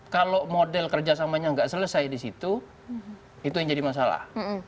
kalau model kerjasamanya nggak selesai di situ itu yang jadi masalah